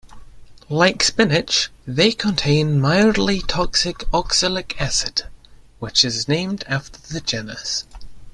Like spinach, they contain mildly toxic oxalic acid, which is named after the genus.